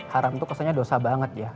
haram itu kesannya dosa banget ya